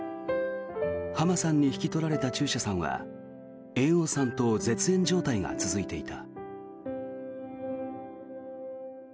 浜さんに引き取られた中車さんは猿翁さんと絶縁状態が続いていた。